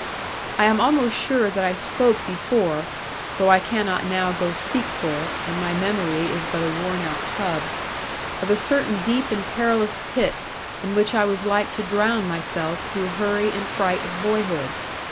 I am almost sure that I spoke before (though I cannot now go seek for it, and my memory is but a worn out tub) of a certain deep and perilous pit, in which I was like to drown myself through hurry and fright of boyhood.